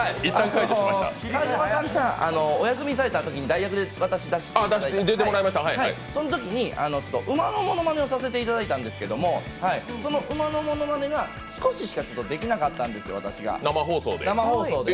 川島さん、お休みされたときに私代役で出させていただいたんですがそのときに馬のものまねをさせていただいたんですけどもその馬のものまねが少ししかできなかったんです、生放送で。